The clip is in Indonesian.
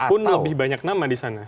pun lebih banyak nama di sana